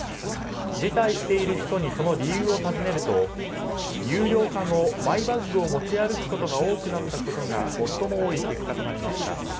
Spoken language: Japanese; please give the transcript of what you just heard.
辞退している人にその理由を尋ねると有料化後、マイバッグを持ち歩くことが多くなったことが最も多い結果となりました。